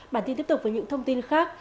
bản tin tiếp tục với những thông tin khác